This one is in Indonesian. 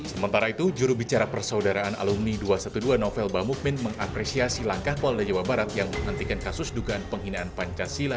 sementara itu jurubicara persaudaraan alumni dua ratus dua belas novel bamukmin mengapresiasi langkah polda jawa barat yang menghentikan kasus dugaan penghinaan pancasila